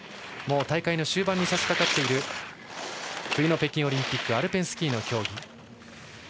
もう大会の終盤にさしかかっている冬の北京オリンピックアルペンスキーの競技。